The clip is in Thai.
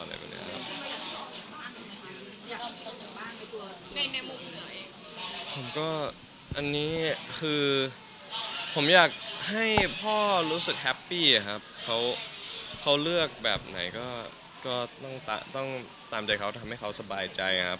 อันนี้ก็อันนี้คือผมอยากให้พ่อรู้สึกแฮปปี้ครับเขาเลือกแบบไหนก็ต้องตามใจเขาทำให้เขาสบายใจครับ